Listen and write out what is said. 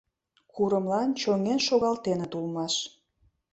Курымлан чоҥен шогалтеныт улмаш.